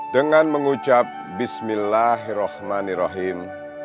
dengan mengucap bismillahirrahmanirrahim